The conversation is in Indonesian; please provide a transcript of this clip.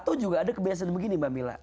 atau juga ada kebiasaan begini mbak mila